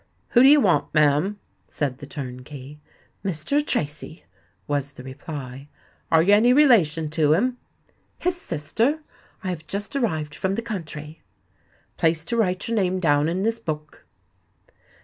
"Who do you want, ma'am?" said the turnkey. "Mr. Tracy," was the reply. "Are you any relation to him?" "His sister. I have just arrived from the country." "Please to write your name down in this book."